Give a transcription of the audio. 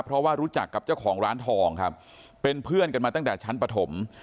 เพราะว่ารู้จักกับเจ้าของร้านทองครับเป็นเพื่อนกันมาตั้งแต่ชั้นปฐม